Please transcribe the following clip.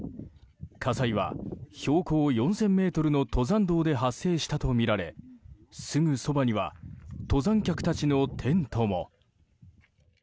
火災は標高４０００ｍの登山道で発生したとみられすぐそばには登山客たちのテントも。